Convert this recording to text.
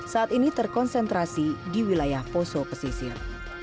saat ini terkonsentrasi di wilayah poso pesisir